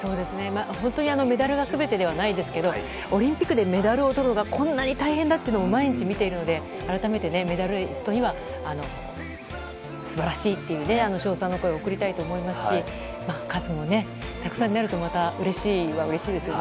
本当にメダルが全てではないですがオリンピックでメダルをとるのがこんなに大変だと毎日見ているので改めてメダリストには素晴らしいという称賛の声を送りたいと思いますし数もたくさんになるとうれしいはうれしいですよね。